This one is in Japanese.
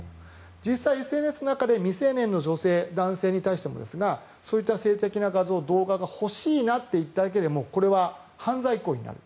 実際、ＳＮＳの中で未成年の女性男性に対してもですがそういった性的な画像・動画が欲しいなと言っただけでこれは犯罪行為になる。